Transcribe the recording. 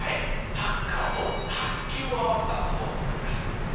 サッカーと卓球を合わせたスポーツになります。